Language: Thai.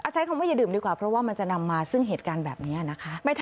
ใช้คำว่าอย่าดื่มดีกว่าเพราะว่ามันจะนำมาซึ่งเหตุการณ์แบบนี้นะคะ